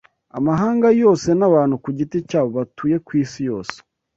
amahanga yose n’abantu ku giti cyabo batuye ku isi yose